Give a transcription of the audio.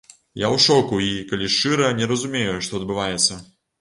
Я ў шоку і, калі шчыра, не разумею, што адбываецца.